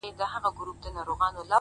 • چغال هم کړې له خوښیه انګولاوي ,